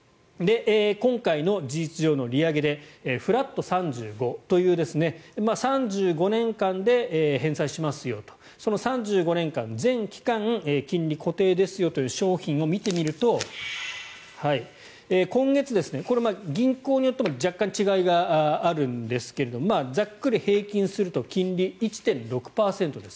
今回の事実上の利上げでフラット３５という３５年間で返済しますよとその３５年間、全期間金利、固定ですよという商品を見てみると今月、これ、銀行によっても若干違いはあるんですがざっくり平均すると金利、１．６％です。